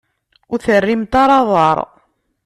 Ur terrimt ara aḍar.